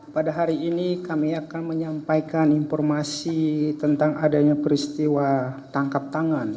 pada hari ini kami akan menyampaikan informasi tentang adanya peristiwa tangkap tangan